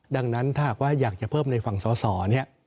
ดังนั้นถ้าหากว่าอยากจะเพิ่มในฝั่งสอสอเนี่ย